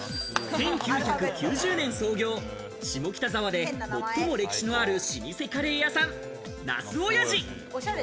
１９９０年創業、下北沢で最も歴史のある老舗カレー屋さん・茄子おやじ。